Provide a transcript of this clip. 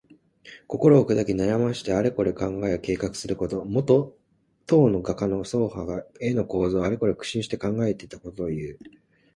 心をくだき、悩ましてあれこれ考え計画すること。もと、唐の画家の曹覇が絵の構図をあれこれ苦心して考えたことをいう。「惨憺」は心を悩ますこと。「経営」はあれこれ考えて営む意。